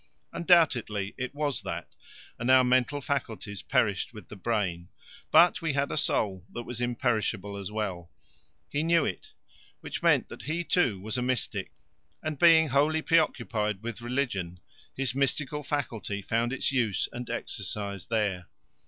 Undoubtedly it was that, and our mental faculties perished with the brain; but we had a soul that was imperishable as well. He knew it, which meant that he too was a mystic, and being wholly preoccupied with religion, his mystical faculty found its use and exercise there.